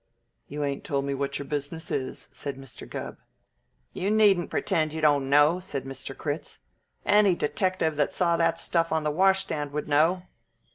"You ain't told me what your business is," said Mr. Gubb. "You needn't pretend you don't know," said Mr. Critz. "Any detective that saw that stuff on the washstand would know."